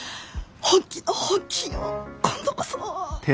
本気の本気よ今度こそ。